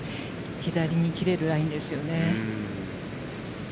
左に切れるラインですよね。